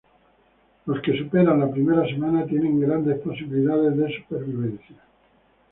Los que superan la primera semana tienen grandes posibilidades de supervivencia.